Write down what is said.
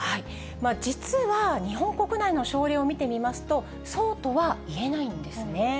実は日本国内の症例を見てみますと、そうとはいえないんですね。